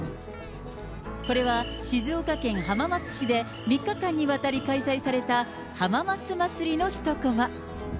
これは静岡県浜松市で３日間にわたり開催された浜松まつりの一こま。